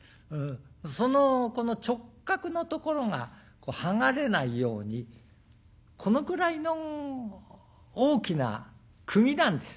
そのこの直角のところが剥がれないようにこのくらいの大きな釘なんです。